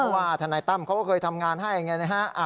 ว่าทนายตั้มเขาก็เคยทำงานให้ไงนะฮะ